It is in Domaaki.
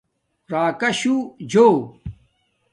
راکاشُو جو